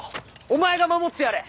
お前が橘を守ってやれ。